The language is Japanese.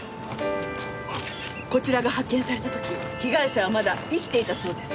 こちらが発見された時被害者はまだ生きていたそうです。